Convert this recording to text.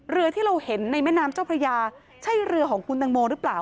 เรือที่เราเห็นในแม่น้ำเจ้าพระยาใช่เรือของคุณตังโมหรือเปล่า